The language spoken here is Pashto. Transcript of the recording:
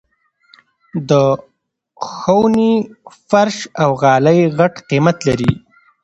د خوني فرش او غالۍ غټ قيمت لري.